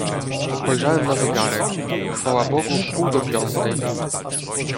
"Spojrzałem na zegarek: chwała Bogu wpół do piątej."